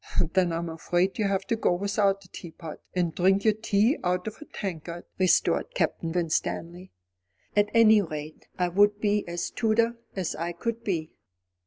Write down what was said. "Then I'm afraid you'd have to go without a teapot, and drink your tea out of a tankard," retorted Captain Winstanley. "At any rate, I would be as Tudor as I could be."